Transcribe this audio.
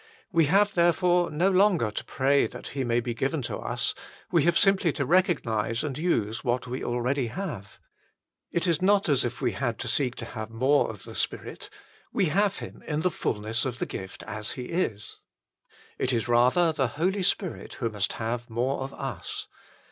We have therefore no longer to pray that He may be given to us : we have simply to recognise and use what we already have. It is not as if we had to seek to have more of the Spirit : we have Him in the fulness of the gift as it is. It is rather the Holy Spirit who must have more of us.